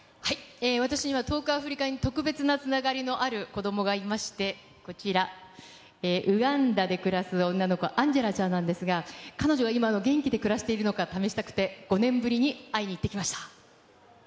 私には遠くアフリカに特別なつながりのある子どもがいまして、こちら、ウガンダで暮らす女の子、アンジェラちゃんなんですが、彼女は今、元気で暮らしているのか試したくて、５年ぶりに会いに行ってきました。